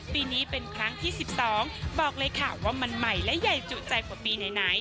ปีนี้เป็นครั้งที่๑๒บอกเลยค่ะว่ามันใหม่และใหญ่จุใจกว่าปีไหน